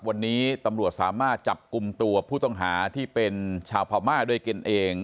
วันนี้ตำรวจสามารถจับกลุ่มตัวผู้ต้องหาที่เป็นชาวพม่าด้วยกันเอง